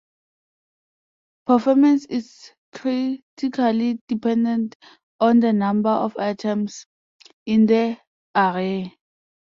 Performance is critically dependent on the number of items in the array.